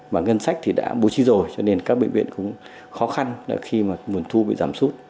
mà ngân sách thì đã bố trí rồi cho nên các bệnh viện cũng khó khăn là khi mà nguồn thu bị giảm sút